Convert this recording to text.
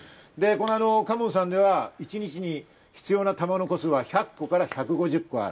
花門さんでは一日に必要なたまごの個数は１００個から１５０個。